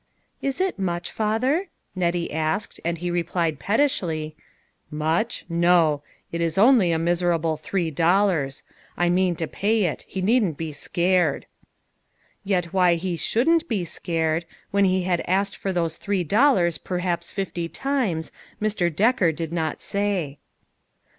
" Is it muchy father ?" Nettie asked, and he replied pettishly :" Much ? no. It is only a miserable little three, dollars. I mean to pay it ; he needn't be scared." Yet why he shouldn't be " scared," when he had asked for those three dollars per haps fifty times, Mr. Decker did not say.